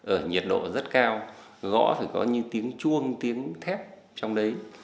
ở nhiệt độ rất cao gõ phải có như tiếng chuông tiếng thép trong đấy